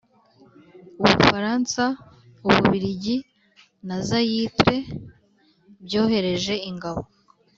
u bufaransa, u bubiligi na zayitre byohereje ingabo.